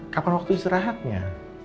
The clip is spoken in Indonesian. kapan waktu istirahatnya